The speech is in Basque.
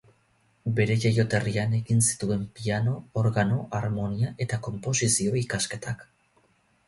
Bere jaioterrian egin zituen piano-, organo-, harmonia- eta konposizio-ikasketak.